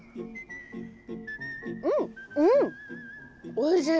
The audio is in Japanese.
おいしい！